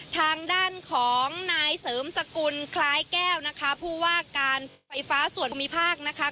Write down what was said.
ทางด้านของนายเสริมสกุลคล้ายแก้วนะคะผู้ว่าการไฟฟ้าส่วนมีภาคนะคะ